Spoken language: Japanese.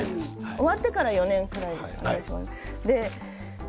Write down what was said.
終わってから４年くらいですけれど。